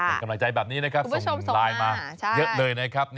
เป็นกำลังใจแบบนี้นะครับส่งไลน์มาเยอะเลยนะครับ